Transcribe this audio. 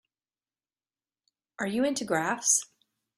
Are you into graphs?